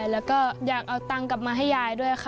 แล้วก็อยากเอาตังค์กลับมาให้ยายด้วยค่ะ